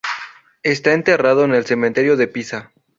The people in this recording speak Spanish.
Está enterrado en el cementerio de Pisa.